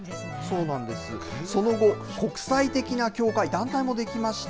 そうなんです、その後、国際的な協会、団体も出来ました。